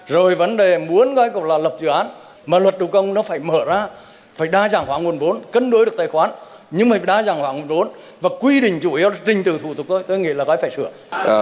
rồi vấn đề muốn gọi là lập dự án mà luật đầu công nó phải mở ra phải đa dạng hóa nguồn vốn cân đối được tài khoản nhưng mà đa dạng hóa nguồn vốn và quy định chủ yếu là trình từ thủ tục thôi tôi nghĩ là vay phải sửa